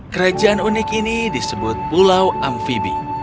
kerajaan unik ini disebut pulau amfibi